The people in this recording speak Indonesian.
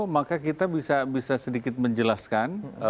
maka kita bisa sedikit menjelaskan